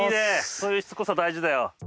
そういうしつこさ大事だよ。